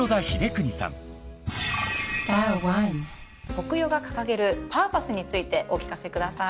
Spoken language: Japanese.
コクヨが掲げるパーパスについてお聞かせください。